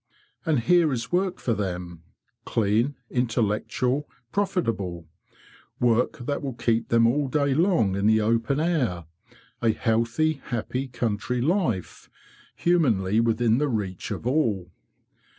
And here is work for them, clean, intellectual, profitable; work that will keep them all day long in the open air; a healthy, happy country life, humanly within the reach of all."